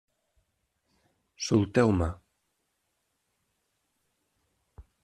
Solteu-me!